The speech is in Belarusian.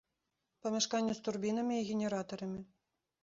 Памяшканне з турбінамі і генератарамі.